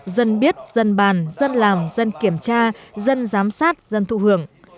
dân biết dân bàn dân làm dân kiểm tra dân giám sát dân thụ hưởng